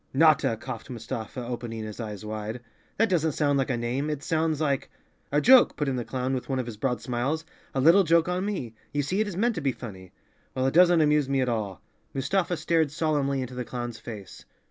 "Notta!" coughed Mustafa, opening his eyes wide. "That doesn't sound like a name. It sounds like—" "A joke," put in the clown, with one of his broad smiles, "a little joke on me. You see it is meant to be funny." "Well, it doesn't amuse me at all." Mustafa stared solemnly into the clown's face.